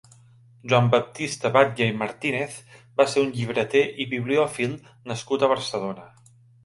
Joan Baptista Batlle i Martínez va ser un llibreter i bibliòfil nascut a Barcelona.